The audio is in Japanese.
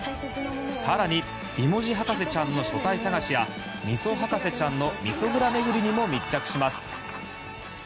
更に、美文字博士ちゃんの書体探しやみそ博士ちゃんのみそ蔵巡りにも密着します。